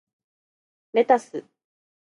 レタス